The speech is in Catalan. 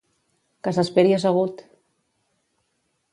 Que s'esperi assegut!